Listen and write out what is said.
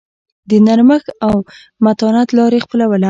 د نرمښت او متانت لار یې خپلوله.